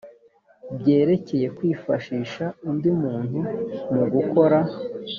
byerekeye kwifashisha undi muntu mu gukora